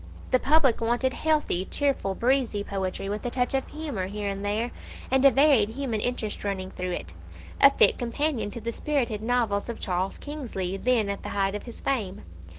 The public wanted healthy, cheerful, breezy poetry, with a touch of humour here and there, and a varied human interest running through it a fit companion to the spirited novels of Charles Kingsley, then at the height of his fame.